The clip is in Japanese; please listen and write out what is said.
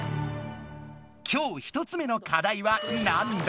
今日１つ目の課題はなんだ？